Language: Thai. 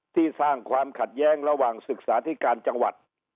สร้างความขัดแย้งระหว่างศึกษาธิการจังหวัด